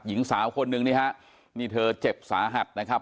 หญิงสาวคนนึงนี่ฮะนี่เธอเจ็บสาหัสนะครับ